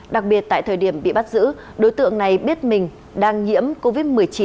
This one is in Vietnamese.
đặc biệt tại thời điểm bị bắt giữ đối tượng này biết mình đang nhiễm covid một mươi chín